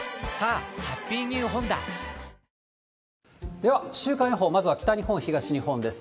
では、週間予報、まずは北日本、東日本です。